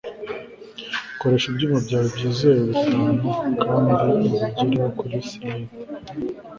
koresha ibyuma byawe byizewe bitanu kandi ubigereho kuri sled